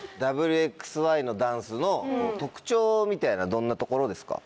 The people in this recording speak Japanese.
『Ｗ／Ｘ／Ｙ』のダンスの特徴どんなところですか？